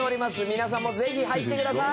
皆さんもぜひ入ってください。